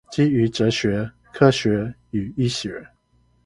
基於哲學、科學與醫學